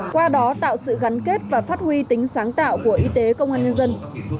qua đó tạo sự gắn kết và phát huy tính sáng tạo của y tế công an nhân dân